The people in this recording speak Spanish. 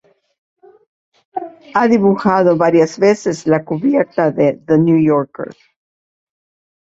Ha dibujado varias veces la cubierta de The New Yorker.